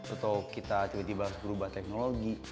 atau kita tiba tiba berubah teknologi